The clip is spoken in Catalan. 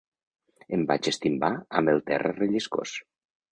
Em vaig estimbar amb el terra relliscós.